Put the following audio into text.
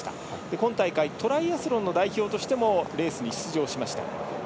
今大会トライアスロンの代表としてもレースに出場しました。